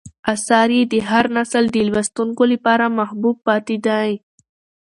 آثار یې د هر نسل د لوستونکو لپاره محبوب پاتې دي.